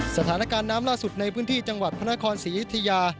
สถานการณ์น้ำล่าสุดในพื้นที่จังหวัดพระนครศรีอยุธยา